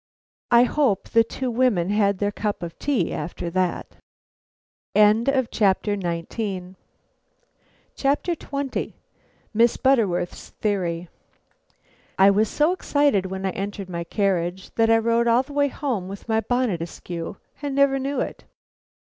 I hope the two women had their cup of tea after that. XX. MISS BUTTERWORTH'S THEORY. I was so excited when I entered my carriage that I rode all the way home with my bonnet askew and never knew it.